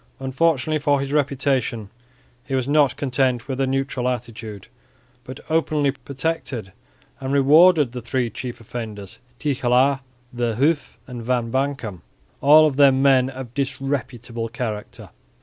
Unfortunately for his reputation he was not content with a neutral attitude, but openly protected and rewarded the three chief offenders Tichelaer, Verhoef and Van Bankhem, all of them men of disreputable character.